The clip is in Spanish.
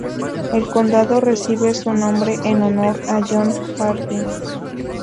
El condado recibe su nombre en honor a John Hardin.